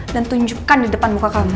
dan tunjukkan di depan muka kamu